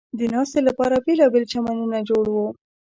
د ناستې لپاره بېلابېل چمنونه جوړ و.